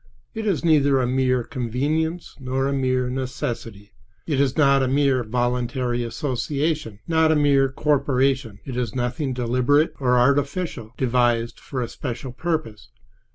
It is neither a mere convenience nor a mere necessity. It is not a mere voluntary association, not a mere corporation. It is nothing deliberate or artificial, devised for a special purpose.